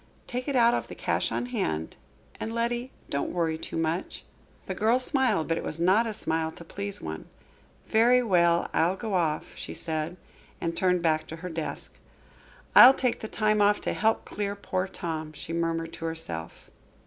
Take it out of the cash on hand. And, Letty, don't worry too much." The girl smiled, but it was not a smile to please one. "Very well, I'll go off," she said, and turned back to her desk. "I'll take the time off to help clear poor Tom," she murmured to herself.